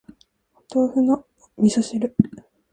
お豆腐の味噌汁